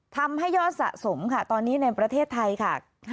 ทำให้ยอดสะสมค่ะตอนนี้ในประเทศไทยค่ะ